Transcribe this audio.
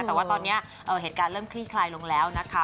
แต่ว่าตอนนี้เหตุการณ์เริ่มคลี่คลายลงแล้วนะคะ